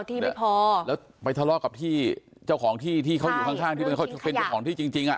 ที่ไม่พอแล้วไปทะเลาะกับที่เจ้าของที่ที่เขาอยู่ข้างข้างที่เป็นเขาเป็นเจ้าของที่จริงจริงอ่ะ